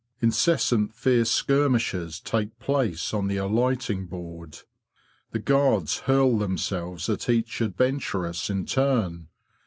Incessant fierce skir mishes take place on the alighting board. The guards hurl themselves at each adventuress in turn.